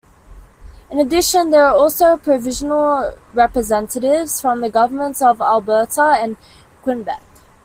In addition, there are also provincial representatives from the Governments of Alberta and Quebec.